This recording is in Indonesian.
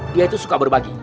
dia itu suka berbagi